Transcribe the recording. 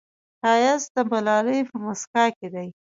ښایست د ملالې په موسکا کې دی